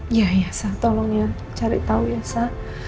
iya iya sa tolong ya cari tahu ya sa